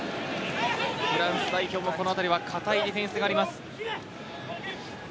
フランス代表も、このあたりは堅いディフェンスがあります。